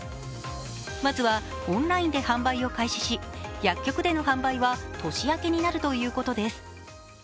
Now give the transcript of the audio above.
まずはオンラインで販売を開始し薬局での販売は年明けになるということです。